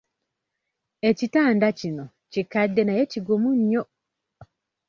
Ekitanda kino kikadde naye kigumu nnyo.